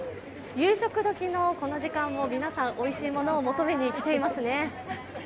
夕食時のこの時間も皆さん、おいしいものを求めに来ていますね。